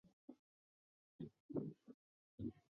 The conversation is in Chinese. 西夏只好求和并答应蒙古的要求。